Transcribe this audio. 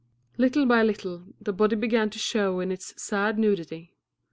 Little by little the body began to show in its sad nudity.